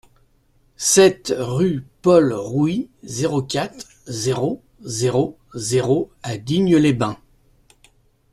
sept rue Paul Rouit, zéro quatre, zéro zéro zéro à Digne-les-Bains